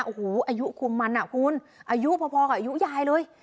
โอ้โหอายุคุมมันอ่ะคุณอายุพอกับอายุยายเลย